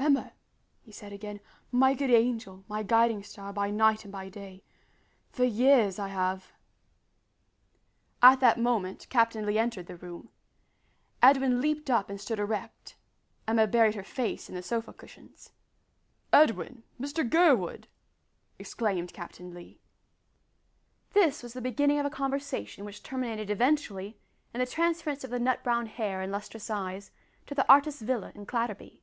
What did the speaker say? "Emma," he said again, "my good angel, my guiding star by night and by day for years I have " At that moment Captain Lee entered the room. Edwin leaped up and stood erect. Emma buried her face in the sofa cushions. "Edwin Mr Gurwood!" exclaimed Captain Lee. This was the beginning of a conversation which terminated eventually in the transference of the nut brown hair and lustrous eyes to the artist's villa in Clatterby.